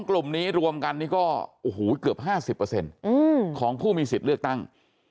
กลุ่มนี้รวมกันนี่ก็เกือบ๕๐ของผู้มีสิทธิ์เลือกตั้ง